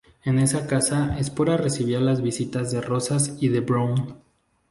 En esa casa Espora recibía las visitas de Rosas y de Brown.